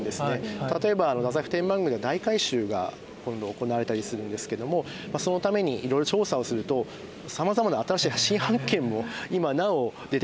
例えば太宰府天満宮では大改修が今度行われたりするんですけどもそのためにいろいろ調査をするとさまざまな新しい新発見も今なお出てきたりということで。